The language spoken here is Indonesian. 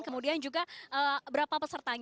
kemudian juga berapa pesertanya pak hari ini